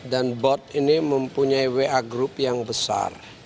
dan bot ini mempunyai wa group yang besar